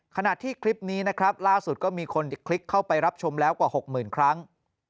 ขณะที่คลิปนี้นะครับล่าสุดก็มีคนคลิกเข้าไปรับชมแล้วกว่า๖๐๐๐ครั้ง